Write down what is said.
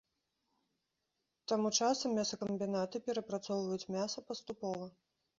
Таму часам мясакамбінаты перапрацоўваюць мяса паступова.